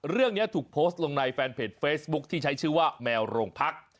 เรื่องนี้ถูกโพสต์ลงในแฟนเพจเฟซบุ๊คที่ใช้ชื่อว่าแมวโรงพัก